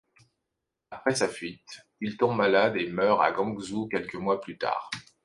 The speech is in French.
Après sa fuite, il tombe malade et meurt à Gangzhou quelques mois plus tard.